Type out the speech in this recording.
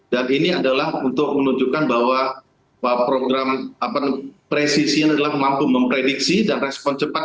dan ini adalah untuk menunjukkan bahwa program presisinya adalah mampu memprediksi dan respon cepat